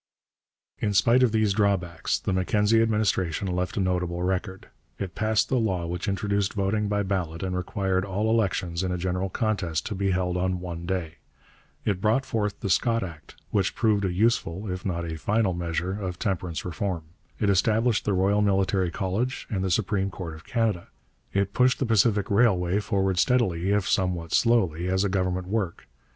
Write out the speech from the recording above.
In spite of these drawbacks the Mackenzie administration left a notable record. It passed the law which introduced voting by ballot and required all elections, in a general contest, to be held on one day. It brought forth the Scott Act, which proved a useful if not a final measure of temperance reform. It established the Royal Military College and the Supreme Court of Canada. It pushed the Pacific Railway forward steadily, if somewhat slowly, as a government work.